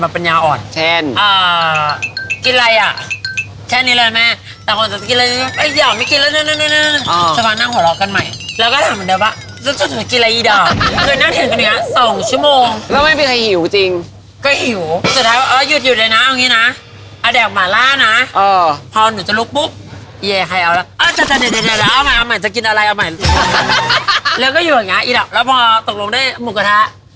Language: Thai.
เราต้องขอบคุณร้านแอศการ์ดนะคะ